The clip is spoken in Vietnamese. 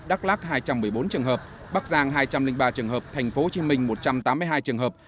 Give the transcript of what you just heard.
đắk lắc hai trăm một mươi bốn trường hợp bắc giang hai trăm linh ba trường hợp thành phố hồ chí minh một trăm tám mươi hai trường hợp